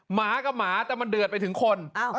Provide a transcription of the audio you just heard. หมากับหมาแต่มันเดือดไปถึงคน